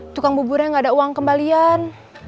tukang buburnya nggak ada uang kembalian